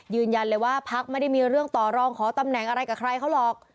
ยืนยันเลยว่าพักไม่ได้มีเรื่องต่อรองขอตำแหน่งอะไรกับใครเขาหรอก